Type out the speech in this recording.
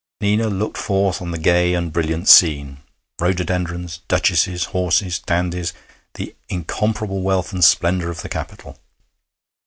Nina looked forth on the gay and brilliant scene: rhododendrons, duchesses, horses, dandies the incomparable wealth and splendour of the capital.